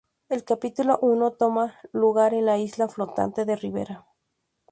El capítulo I toma lugar en la isla flotante de Riviera.